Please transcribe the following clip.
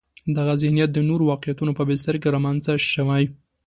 دغه ذهنیت د نورو واقعیتونو په بستر کې رامنځته شوی.